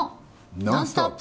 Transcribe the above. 「ノンストップ！」。